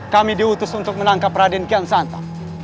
kami diutus untuk menangkap raden kian santa